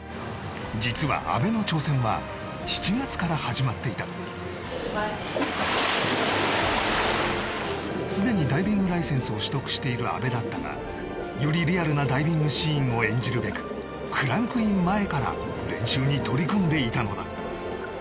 実は阿部の挑戦は７月から始まっていた既にダイビングライセンスを取得している阿部だったがよりリアルなダイビングシーンを演じるべくクランクイン前から練習に取り組んでいたのだ